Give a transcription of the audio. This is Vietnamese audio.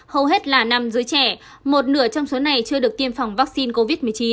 hầu hết là năm giới trẻ một nửa trong số này chưa được tiêm phòng vaccine covid một mươi chín